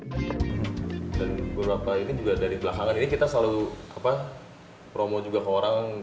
dan beberapa ini juga dari belakangan ini kita selalu promo juga ke orang